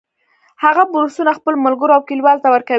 هغه بورسونه خپلو ملګرو او کلیوالو ته ورکوي